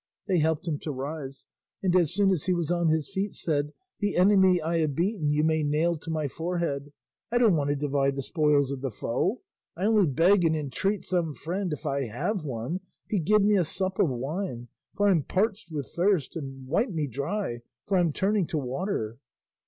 They helped him to rise, and as soon as he was on his feet said, "The enemy I have beaten you may nail to my forehead; I don't want to divide the spoils of the foe, I only beg and entreat some friend, if I have one, to give me a sup of wine, for I'm parched with thirst, and wipe me dry, for I'm turning to water."